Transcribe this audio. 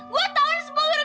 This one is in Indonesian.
gue tau ini semua gara gara lo